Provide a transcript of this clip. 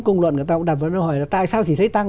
công luận của ta cũng đặt vào đó hỏi là tại sao chỉ thấy tăng